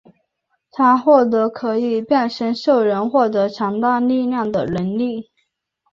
他获得可以变身兽人获得强大力量的能力。